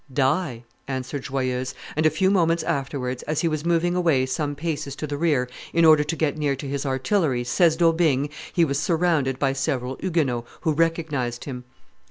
"Die," answered Joyeuse; and a few moments afterwards, as he was moving away some paces to the rear in order to get near to his artillery, says D'Aubigne, he was surrounded by several Huguenots, who recognized him.